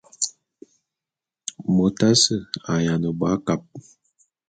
Mot asse a’ayiana bo akab.